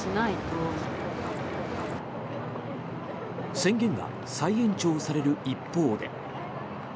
宣言が再延長される一方で。